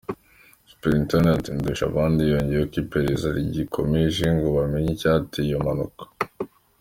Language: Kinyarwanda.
Supt Ndushabandi yongeyeho ko iperereza rigikomeje ngo bamenye icyateye iyo mpanuka.